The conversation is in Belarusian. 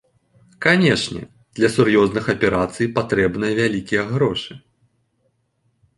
Канешне, для сур'ёзных аперацый патрэбныя вялікія грошы.